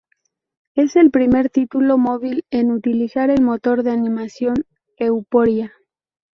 Es el primer título móvil en utilizar el motor de animación Euphoria.